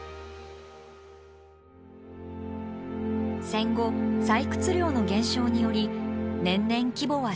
戦後採掘量の減少により年々規模は縮小。